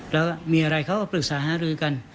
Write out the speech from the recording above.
แล้วมีอะไรเขาก็ปรึกษาหารือกัน